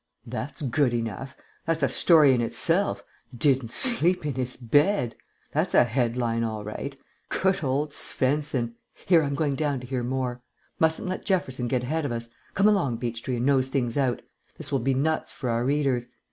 "That's good enough. That's a story in itself. Didn't sleep in his bed. That's a headline all right. Good old Svensen. Here, I'm going down to hear more. Mustn't let Jefferson get ahead of us. Come along, Beechtree, and nose things out. This will be nuts for our readers.